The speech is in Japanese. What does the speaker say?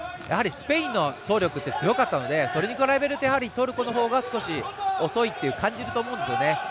スペインの総力は強かったのでそれに比べるとトルコのほうが少し遅いと感じると思うんですよね。